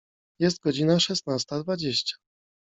Jest godzina szesnasta dwadzieścia.